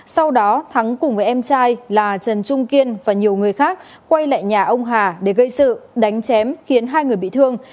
sau đó thắng cùng với em trai là trần trung kiên và nhiều người khác quay lại nhà ông hà để gây sự đánh chém khiến hai người bị thương